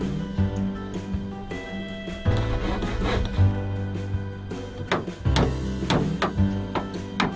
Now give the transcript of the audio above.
kita jangan kemana mana